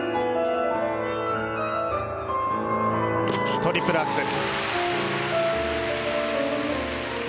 トリプルアクセル。